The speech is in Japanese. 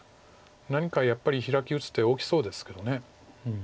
何かやっぱりヒラキ打つ手大きそうですけど。